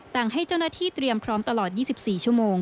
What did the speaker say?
ให้เจ้าหน้าที่เตรียมพร้อมตลอด๒๔ชั่วโมง